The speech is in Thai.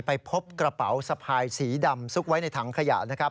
ไปพบกระเป๋าสะพายสีดำซุกไว้ในถังขยะนะครับ